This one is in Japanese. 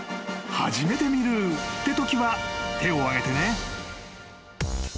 ［初めて見るってときは手を挙げてね］